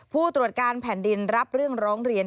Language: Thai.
ผู้ตรวจการแผ่นดินรับเรื่องร้องเรียน